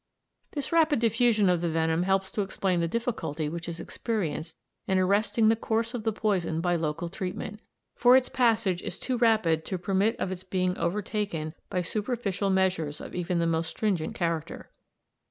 This rapid diffusion of the venom helps to explain the difficulty which is experienced in arresting the course of the poison by local treatment, for its passage is too rapid to permit of its being overtaken by superficial measures of even the most stringent character.